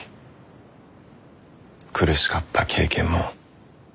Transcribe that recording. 苦しかった経験も。